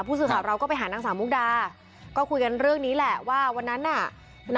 ผู้สื่อข่าวเราก็ไปหานางสาวมุกดาก็คุยกันเรื่องนี้แหละว่าวันนั้นน่ะ